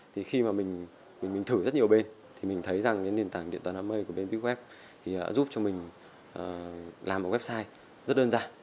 thì khi mà mình thử rất nhiều bên thì mình thấy rằng cái nền tảng điện toán đám mây của bên west thì đã giúp cho mình làm một website rất đơn giản